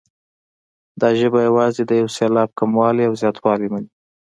دا ژبه یوازې د یو سېلاب کموالی او زیاتوالی مني.